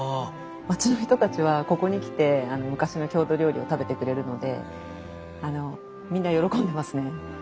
町の人たちはここに来て昔の郷土料理を食べてくれるのでみんな喜んでますね。